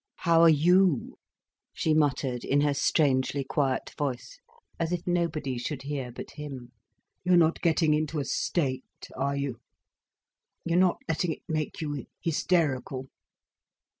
"How are you?" she muttered, in her strangely quiet voice, as if nobody should hear but him. "You're not getting into a state, are you? You're not letting it make you hysterical?"